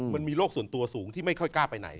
มันมีโรคส่วนตัวสูงที่ไม่ค่อยกล้าไปไหน